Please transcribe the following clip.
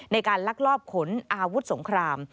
ในการลักลอบขนอาวุธสงคราม